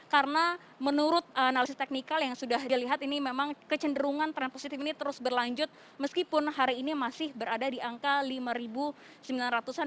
karena menurut analisis teknikal yang sudah dilihat ini memang kecenderungan trend positif ini terus berlanjut meskipun hari ini masih berada di angka lima sembilan ratus an